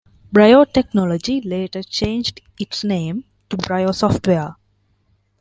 Brio Technology later changed its name to Brio Software.